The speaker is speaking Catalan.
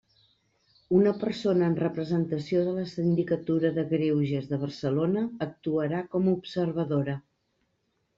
Una persona en representació de la Sindicatura de Greuges de Barcelona actuarà com a observadora.